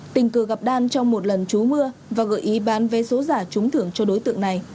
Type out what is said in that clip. tình cờ gặp đan trong một lần chú mưa và gợi ý bán vé số giả trúng thưởng cho đối tượng này